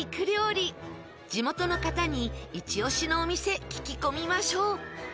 地元の方にイチ押しのお店聞き込みましょう！